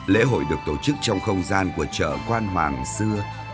lễ hội được tổ chức trong không gian của chợ quan hoàng xưa